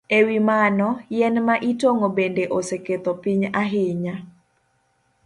E wi mano, yien ma itong'o bende oseketho piny ahinya.